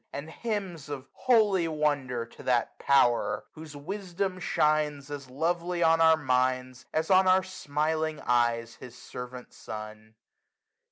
And hymns of holy wonder, to that Power, Whose wisdom shines as lovely on our minds, 340 As on our smiling eyes his servant sun.